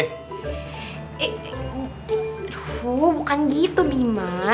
eh aku bukan gitu bima